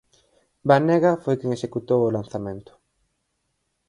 Banega foi quen executou o lanzamento.